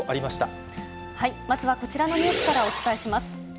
まずはこちらのニュースからお伝えします。